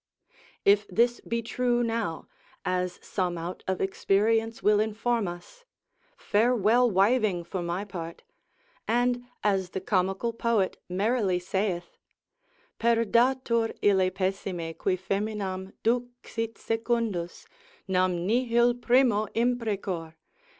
If this be true now, as some out of experience will inform us, farewell wiving for my part, and as the comical poet merrily saith, Perdatur ille pessime qui foeminam Duxit secundus, nam nihil primo imprecor!